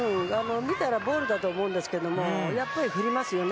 見たらボールだと思うんですけどやっぱり振りますよね。